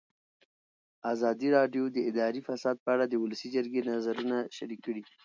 ازادي راډیو د اداري فساد په اړه د ولسي جرګې نظرونه شریک کړي.